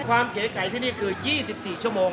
ความเก๋ไก่ที่นี่คือยี่สิบสี่ชั่วโมง